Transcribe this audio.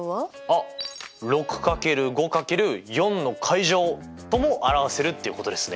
あっ６×５×４！とも表せるっていうことですね！